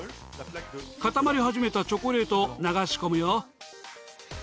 固まり始めたチョコレートを流し込むよ。